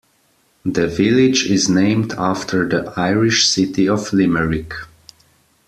The village is named after the Irish city of Limerick.